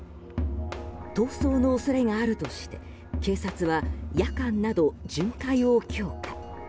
逃走の恐れがあるとして警察は、夜間など巡回を強化。